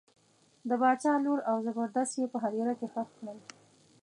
د باچا لور او زبردست یې په هدیره کې ښخ کړل.